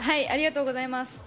ありがとうございます。